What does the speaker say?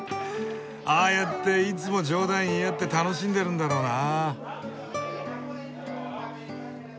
ああやっていつも冗談言い合って楽しんでるんだろうな。